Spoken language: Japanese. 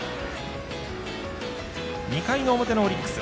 ２回の表のオリックス。